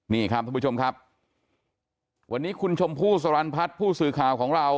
นี่ครับท่านผู้ชมครับวันนี้คุณชมพู่สรรพัฒน์ผู้สื่อข่าวของเรา